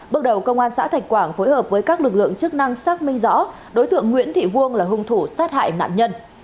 bước đầu công an xã thạch quảng phối hợp với các lực lượng chức năng xác minh rõ đối tượng nguyễn thị vuông là hung thủ sát hại nạn nhân